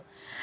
dan ini juga